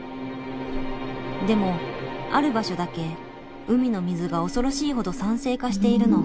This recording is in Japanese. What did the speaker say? でもある場所だけ海の水が恐ろしいほど酸性化しているの。